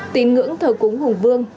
tín ngưỡng thờ cúng hùng vương